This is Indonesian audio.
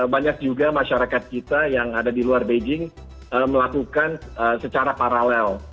banyak juga masyarakat kita yang ada di luar beijing melakukan secara paralel